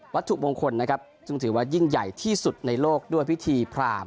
วัตถุมงคลนะครับซึ่งถือว่ายิ่งใหญ่ที่สุดในโลกด้วยพิธีพราม